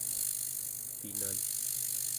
pinan